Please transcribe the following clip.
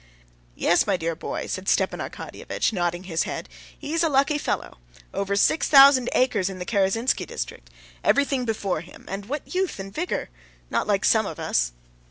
"Yes, my dear boy," said Stepan Arkadyevitch, nodding his head, "he's a lucky fellow! Over six thousand acres in the Karazinsky district; everything before him; and what youth and vigor! Not like some of us."